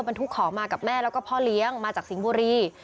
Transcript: บรรทุกของมากับแม่แล้วก็พ่อเลี้ยงมาจากสิงห์บุรี